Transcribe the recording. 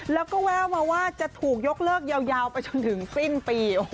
แล้วก็แววมาว่าจะถูกยกเลิกยาวไปจนถึงสิ้นปี